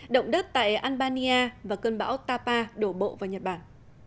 động đất tại albania và cơn bão tapa đổ bộ vào nhật bản